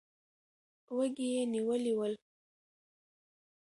وږي یې نیولي ول.